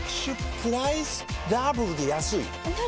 プライスダブルで安いＮｏ！